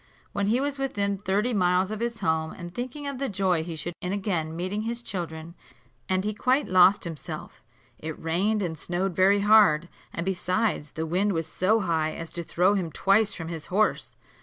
When he was within thirty miles of his home, and thinking of the joy he should have in again meeting his children, his road lay through a thick forest, and he quite lost himself. It rained and snowed very hard, and besides, the wind was so high as to throw him twice from his horse.